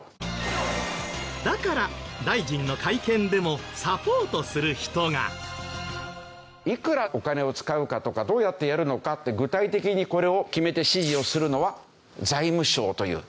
だから大臣の会見でもいくらお金を使うかとかどうやってやるのかって具体的にこれを決めて指示をするのは財務省という。